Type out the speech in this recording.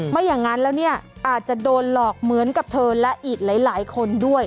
ไม่อย่างนั้นแล้วเนี่ยอาจจะโดนหลอกเหมือนกับเธอและอีกหลายคนด้วย